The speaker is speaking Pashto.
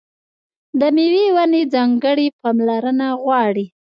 د مېوې ونې ځانګړې پاملرنه غواړي.